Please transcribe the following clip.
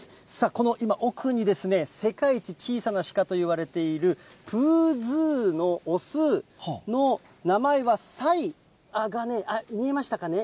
この今、奥に世界一小さなシカといわれている、プーズーの雄の名前はサイがね、見えましたかね？